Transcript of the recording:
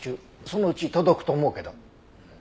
そのうち届くと思うけど。